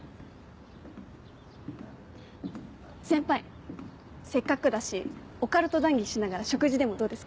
先輩せっかくだしオカルト談議しながら食事でもどうですか？